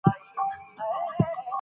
سياست ته وګوره چې څه کوي.